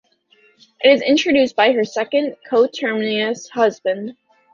It is introduced by her second-coterminous-husband.